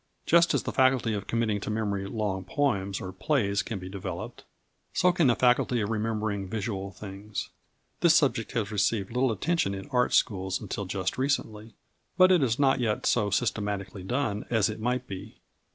Just as the faculty of committing to memory long poems or plays can be developed, so can the faculty of remembering visual things. This subject has received little attention in art schools until just recently. But it is not yet so systematically done as it might be.